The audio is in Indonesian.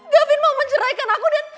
gavin mau menceraikan aku dan